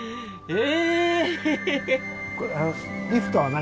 え！